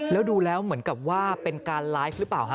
แล้วดูแล้วเหมือนกับว่าเป็นการไลฟ์หรือเปล่าฮะ